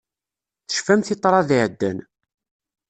Tecfamt i ṭṭrad iɛeddan.